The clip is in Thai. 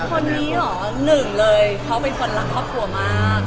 คนนี้เหรอหนึ่งเลยเขาเป็นคนรักครอบครัวมาก